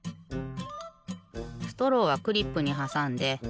ストローはクリップにはさんで。